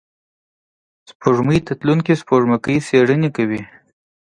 سپوږمۍ ته تلونکي سپوږمکۍ څېړنې کوي